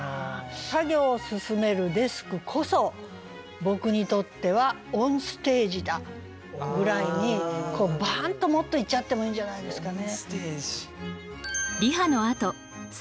「作業進めるデスクこそ僕にとってはオンステージだ」ぐらいにバーンともっと言っちゃってもいいんじゃないですかね。